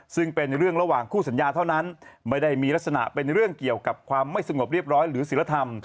ซึ่งเป็นเรื่องระหว่างคู่สัญญาเท่านั้นไม่ได้มีลักษณะเป็นเรื่องเกี่ยวกับความไม่สงบเรียบร้อยหรือศิลธรรม